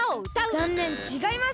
ざんねんちがいます！